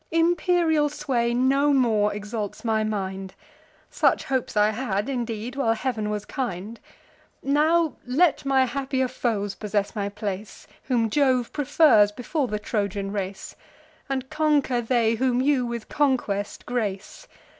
Imperial sway no more exalts my mind; (Such hopes I had indeed, while Heav'n was kind;) Now let my happier foes possess my place, Whom Jove prefers before the Trojan race; And conquer they, whom you with conquest grace.